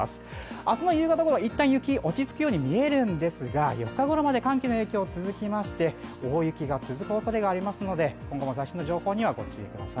明日の夕方、一旦雪、落ち着くように見えるんですが４日ごろまで寒気の影響は続きまして、大雪が続くおそれがありますので今後の最新の情報にはご注意ください。